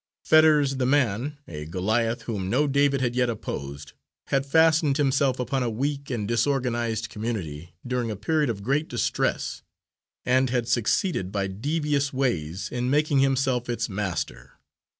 Fetters the man, a Goliath whom no David had yet opposed, had fastened himself upon a weak and disorganised community, during a period of great distress and had succeeded by devious ways in making himself its master.